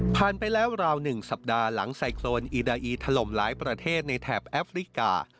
ไปแล้วราว๑สัปดาห์หลังไซโครนอีดาอีถล่มหลายประเทศในแถบแอฟริกา